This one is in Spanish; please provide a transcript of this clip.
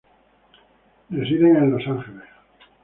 Residen en Los Ángeles.